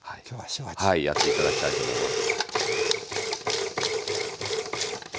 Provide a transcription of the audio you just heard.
やって頂きたいと思います。